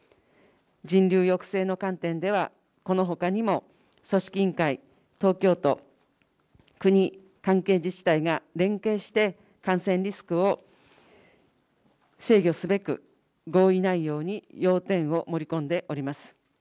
人流抑制の観点では、このほかにも組織委員会、東京都、国、関係自治体が連携して感染リスクを制御すべく、合意内容に要点を盛り込んでおります。